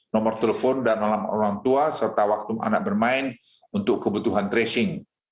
nomor telepon dan alam orang tua serta waktu anak bermain untuk kebutuhan tracing